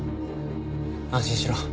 安心しろ。